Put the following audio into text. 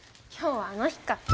今日はあの日か。